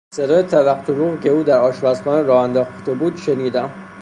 صدای تلق تلوقی را که او در آشپزخانه راه انداخته بود، شنیدم.